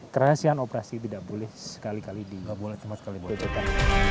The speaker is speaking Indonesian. kerasihan operasi tidak boleh sekali kali di depokan